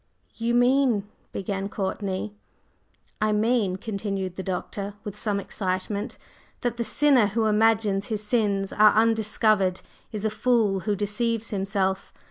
"You mean …" began Courtney. "I mean," continued the Doctor with some excitement, "that the sinner who imagines his sins are undiscovered is a fool who deceives himself.